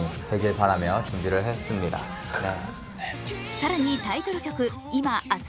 更にタイトル曲「今−明日